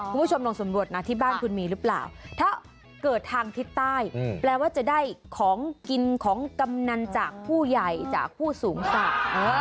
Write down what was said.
คุณผู้ชมลองสำรวจนะที่บ้านคุณมีหรือเปล่าถ้าเกิดทางทิศใต้แปลว่าจะได้ของกินของกำนันจากผู้ใหญ่จากผู้สูงศักดิ์